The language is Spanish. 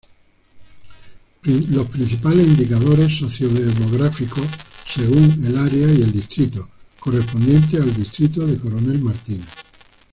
Principales indicadores socio-demográficos, según área y distrito, correspondientes al distrito de Coronel Martínez.